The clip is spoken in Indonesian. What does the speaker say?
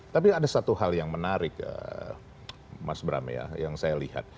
tapi ada satu hal yang menarik mas bram ya yang saya lihat